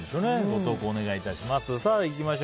ご投稿をお願い致します。